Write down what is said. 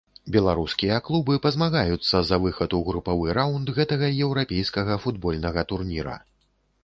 Беларускія клубы пазмагаюцца за выхад у групавы раўнд гэтага еўрапейскага футбольнага турніра.